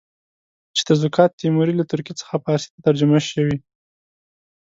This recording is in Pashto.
چې تزوکات تیموري له ترکي څخه فارسي ته ترجمه شوی.